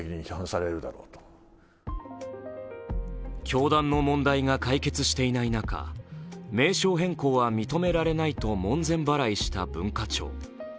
教団の問題が解決していない中、名称変更は認められないと門前払いした文化庁。